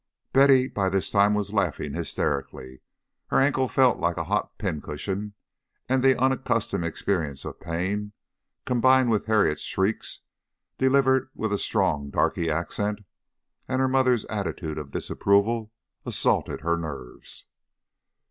Betty by this time was laughing hysterically. Her ankle felt like a hot pincushion, and the unaccustomed experience of pain, combined with Harriet's shrieks, delivered with a strong darky accent, and her mother's attitude of disapproval, assaulted her nerves.